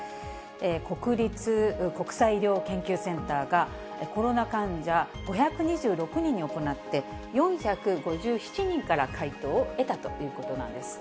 国立国際医療研究センターが、コロナ患者５２６人に行って、４５７人から回答を得たということなんです。